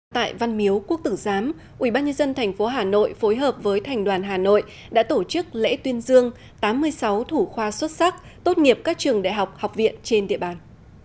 tại văn miếu quốc tử giám ubnd tp hà nội phối hợp với thành đoàn hà nội đã tổ chức lễ tuyên dương tám mươi sáu thủ khoa xuất sắc tốt nghiệp các trường đại học học viện trên địa bàn